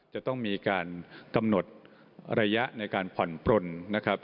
จะต้องมีการกำหนดระยะในการผ่อนปลนนะครับ